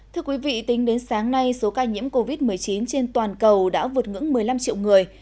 thưa quý vị tính đến sáng nay số ca nhiễm covid một mươi chín trên toàn cầu đã vượt ngưỡng một mươi năm triệu người